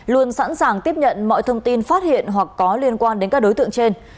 luôn sẵn sàng tiếp nhận mọi thông tin phát hiện hoặc có liên quan đến các đối tượng trên